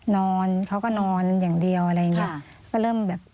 นอนเขาก็นอนอย่างเดียวอะไรอย่างนี้